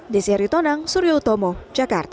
desyari tonang suryo tomo jakarta